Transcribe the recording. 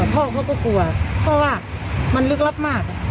พ่อเขาก็กลัวเพราะว่ามันลึกลับมาก